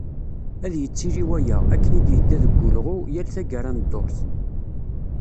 Ad d-yettili waya, akken i d-yedda deg wulɣu, yal taggara n ddurt.